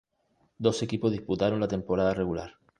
Doce equipos disputaron la temporada regular.